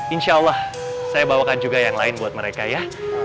insya allah saya bawakan juga yang lain buat mereka ya